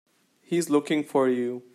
He's looking for you.